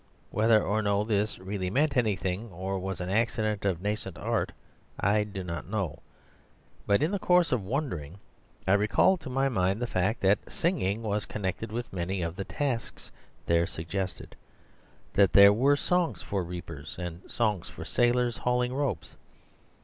Whether or no this really meant anything or was an accident of nascent art I do not know; but in the course of wondering I recalled to my mind the fact that singing was connected with many of the tasks there suggested, that there were songs for reapers and songs for sailors hauling ropes.